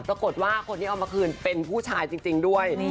ปรากฏว่าคนที่เอามาคืนเป็นผู้ชายจริงด้วย